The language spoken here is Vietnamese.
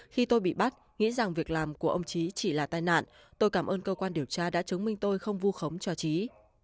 khi tôi bị bắt nghĩ rằng việc làm của ông trí chỉ là tai nạn tôi cảm ơn cơ quan điều tra đã chứng minh tôi không vu khống cho trí